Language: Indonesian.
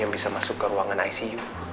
yang bisa masuk ke ruangan icu